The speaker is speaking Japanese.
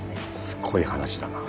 すごい話だな。